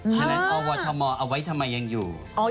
ฉะนั้นอวทมเอาไว้ทำไมยังอยู่